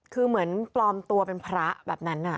คือเหมือนปลอมตัวเป็นพระแบบนั้น